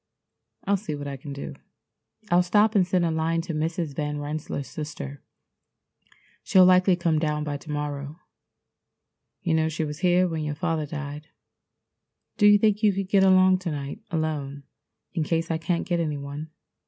I'll see what I can do. I'll stop and send a line to Mrs. Van Rensselaer's sister. She'll likely come down by to morrow. You know she was here when your father died. Do you think you could get along to night alone in case I can't get any one?